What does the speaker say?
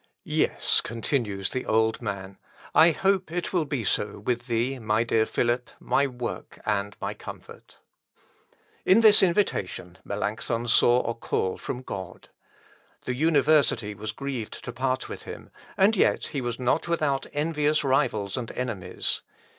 _" "Yes," continues the old man, "I hope it will be so with thee, my dear Philip, my work and my comfort." In this invitation, Melancthon saw a call from God. The university was grieved to part with him, and yet he was not without envious rivals and enemies.